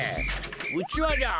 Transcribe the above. うちわじゃ。